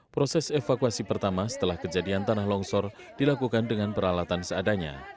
proses evakuasi pertama setelah kejadian tanah longsor dilakukan dengan peralatan seadanya